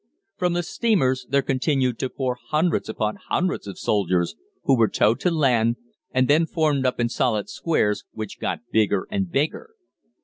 "From the steamers there continued to pour hundreds upon hundreds of soldiers, who were towed to land, and then formed up in solid squares, which got bigger and bigger.